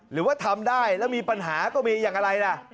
หรือว่าทำได้แล้วมีปัญหาก็มีอย่างอะไรล่ะ